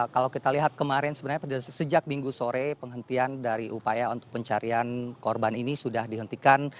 kalau kita lihat kemarin sebenarnya sejak minggu sore penghentian dari upaya untuk pencarian korban ini sudah dihentikan